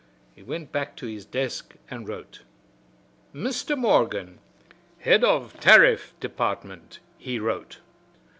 He went back to his desk and wrote. "Mr. Morgan, Head of Tariff Department," he wrote.